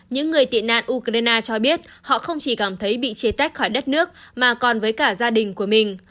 những người tị nạn ukraine cho biết họ không chỉ cảm thấy bị chia tách khỏi đất nước mà còn với cả gia đình của mình